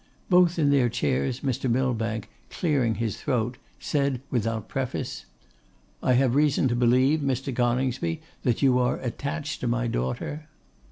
Both in their chairs, Mr. Millbank, clearing his throat, said without preface, 'I have reason to believe, Mr. Coningsby, that you are attached to my daughter?